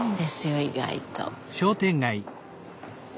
意外と。